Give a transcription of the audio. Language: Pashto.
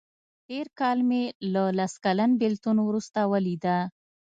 تېر کال مې له لس کلن بیلتون وروسته ولیده.